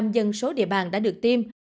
một trăm linh dân số địa bàn đã được tiêm